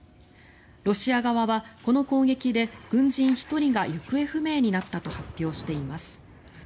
ロシア側は、この攻撃で軍人１人が行方不明になったと発表しています。